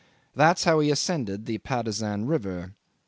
That's how he ascended the Patusan river.